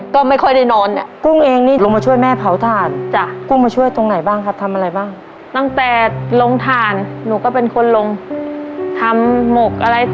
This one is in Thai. ครับครับครับครับครับครับครับครับครับครับครับครับครับ